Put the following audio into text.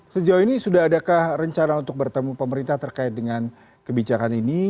sejauh ini sudah adakah rencana untuk bertemu pemerintah terkait dengan kebijakan ini